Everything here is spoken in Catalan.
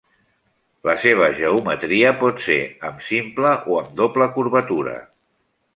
La seva geometria pot ser amb simple o amb doble curvatura.